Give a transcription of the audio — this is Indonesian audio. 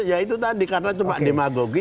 ya itu tadi karena cuma demagogi